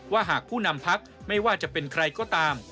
หากผู้นำพักไม่ว่าจะเป็นใครก็ตาม